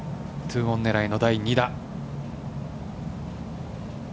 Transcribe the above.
オン狙いの第２打。